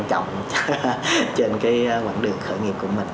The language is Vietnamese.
trên cái quãng đường khởi nghiệp của mình